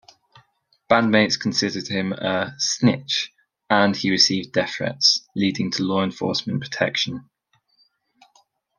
Bandmates considered him a "snitch", and he received death threats, leading to law-enforcement protection.